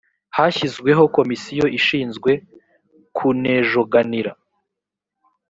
hashyizweho komisiyo ishinzwe kun ejoganira